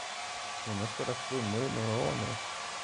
Hon har spelat trummor i några år nu.